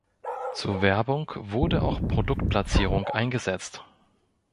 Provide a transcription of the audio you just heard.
Zur Werbung wurde auch Produktplatzierung eingesetzt.